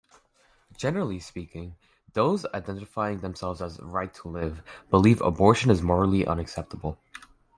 Generally speaking, those identifying themselves as "right to life" believe abortion is morally unacceptable.